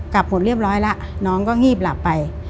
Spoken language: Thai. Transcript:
กลับหมดเรียบร้อยแล้วน้องก็งีบหลับไป